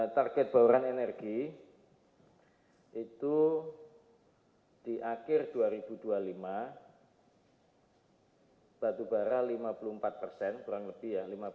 target bauran energi itu di akhir dua ribu dua puluh lima batu bara lima puluh empat persen kurang lebih ya lima puluh empat empat